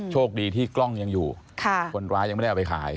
โชคดีที่กล้องยังอยู่คนร้ายยังไม่ได้เอาไปขาย